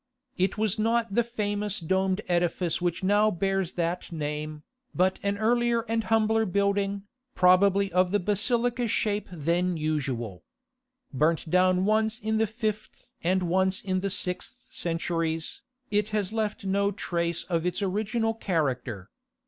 It was not the famous domed edifice which now bears that name, but an earlier and humbler building, probably of the Basilica shape then usual. Burnt down once in the fifth and once in the sixth centuries, it has left no trace of its original character.